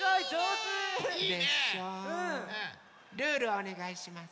ルールをおねがいします。